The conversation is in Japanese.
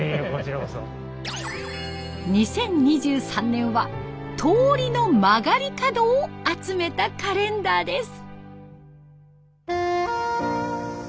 ２０２３年は「通りの曲がり角」を集めたカレンダーです。